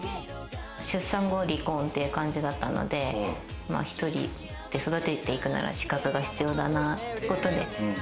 出産後、離婚っていう感じだったので、１人で育てていくなら資格が必要だなってことに。